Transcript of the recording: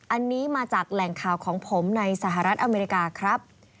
อันนี้มาจากแหล่งข่าวของผมในสหรัฐอเมริกาครับ